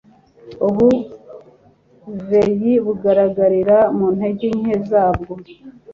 Ubu buvyeyi bugaragarira mu ntege nke zabwo